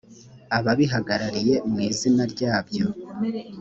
ababihagarariye mu izina ryabyo